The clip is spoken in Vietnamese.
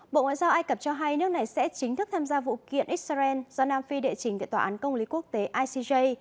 bộ ngoại giao ai cập cho hay nước này sẽ chính thức tham gia vụ kiện israel do nam phi đệ trình tại tòa án công lý quốc tế icj